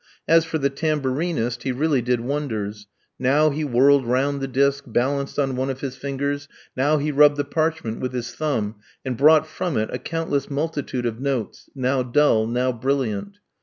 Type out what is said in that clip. As for the tambourinist, he really did wonders. Now he whirled round the disk, balanced on one of his fingers; now he rubbed the parchment with his thumb, and brought from it a countless multitude of notes, now dull, now brilliant.